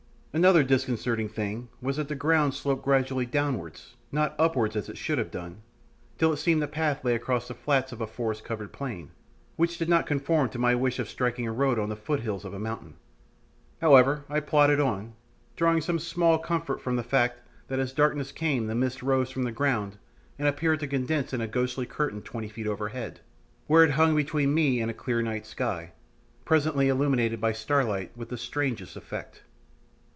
Another disconcerting thing was that the ground sloped gradually downwards, not upwards as it should have done, till it seemed the path lay across the flats of a forest covered plain, which did not conform to my wish of striking a road on the foot hills of the mountain. However, I plodded on, drawing some small comfort from the fact that as darkness came the mist rose from the ground and appeared to condense in a ghostly curtain twenty feet overhead, where it hung between me and a clear night sky, presently illumined by starlight with the strangest effect.